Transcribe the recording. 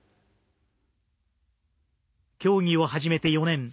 競技を始めて４年。